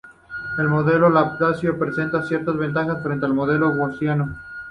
El modelo laplaciano presenta ciertas ventajas frente al modelo gaussiano.